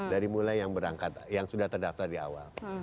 dari mulai yang sudah terdaftar di awal